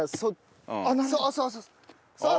そうそうそうそう。